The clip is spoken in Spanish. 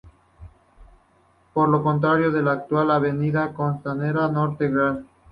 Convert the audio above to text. Por la construcción de la actual avenida Costanera norte Gral.